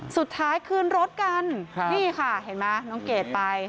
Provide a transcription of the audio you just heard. คืนรถกันนี่ค่ะเห็นไหมน้องเกดไป